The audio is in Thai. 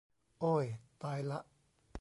โอ้ย ตายละ